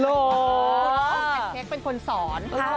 เพราะฉันเป็นคนสอน